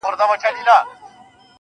د ژوندانه كارونه پاته رانه.